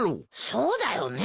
そうだよねえ。